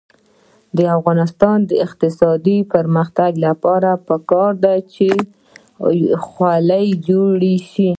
د افغانستان د اقتصادي پرمختګ لپاره پکار ده چې خولۍ جوړې شي.